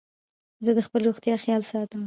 زه د خپلي روغتیا خیال ساتم.